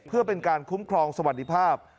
เพื่อเป็นการคุ้มครองสวัสดิภาพ